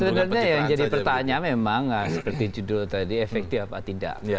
sebenarnya yang jadi pertanyaan memang seperti judul tadi efektif apa tidak